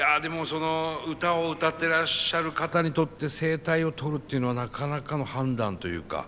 その歌を歌ってらっしゃる方にとって声帯を取るっていうのはなかなかの判断というか。